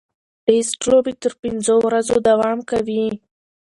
ټېسټ لوبې تر پنځو ورځو دوام کوي.